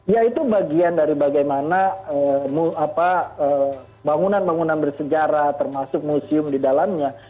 ya itu bagian dari bagaimana bangunan bangunan bersejarah termasuk museum di dalamnya